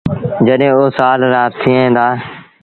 جڏهيݩ او سآل رآ ٿئيڻ دآ۔